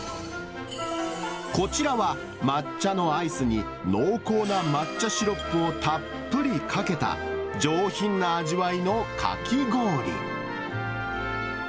こちらは抹茶のアイスに濃厚な抹茶シロップをたっぷりかけた、上品な味わいのかき氷。